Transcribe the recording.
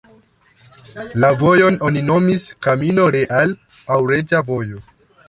La vojon oni nomis "Camino Real" aŭ Reĝa Vojo.